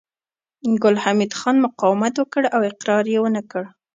ګل حمید خان مقاومت وکړ او اقرار يې ونه کړ